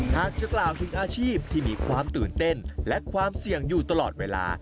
หากจะกล่าวถึงอาชีพที่มีความตื่นเต้นและความเสี่ยงอยู่ตลอดเวลา